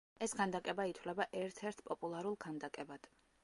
ეს ქანდაკება ითვლება ერთ-ერთ პოპულარულ ქანდაკებად.